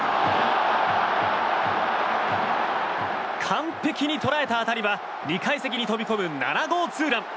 完璧に捉えた当たりは２階席に飛び込む７号ツーラン。